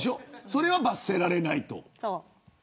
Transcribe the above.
それは罰せられないと。